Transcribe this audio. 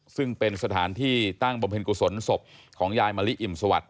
ซึ่งเป็นสถานที่ตั้งบำเพ็ญกุศลศพของยายมะลิอิ่มสวัสดิ